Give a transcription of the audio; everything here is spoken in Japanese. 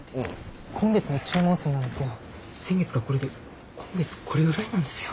今月の注文数なんですけど先月がこれで今月これぐらいなんですよ。